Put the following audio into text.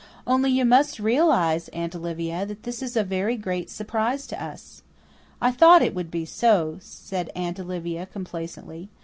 "Only you must realize, Aunt Olivia, that this is a very great surprise to us." "I thought it would be so," said Aunt Olivia complacently.